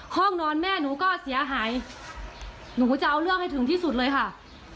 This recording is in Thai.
ห้องนอนแม่หนูก็เสียหายหนูจะเอาเรื่องให้ถึงที่สุดเลยค่ะ